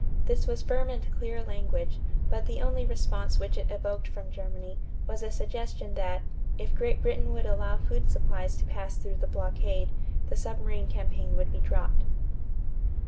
This was firm and clear language, but the only response which it evoked from Germany was a suggestion that, if Great Britain would allow food supplies to pass through the blockade, the submarine campaign would be dropped.